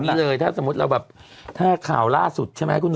เอาอย่างนี้เลยถ้าสมมุติเราแบบถ้าข่าวล่าสุดใช่ไหมคุณหนู